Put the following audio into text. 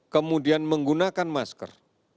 kemudian menggunakan masker